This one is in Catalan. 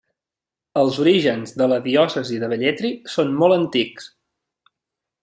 Els orígens de la diòcesi de Velletri són molt antics.